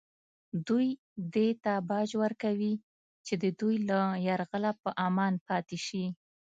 دوی دې ته باج ورکوي چې د دوی له یرغله په امان پاتې شي